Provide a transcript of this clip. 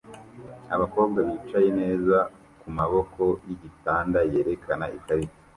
abakobwa bicaye neza kumaboko yigitanda yerekana ikarita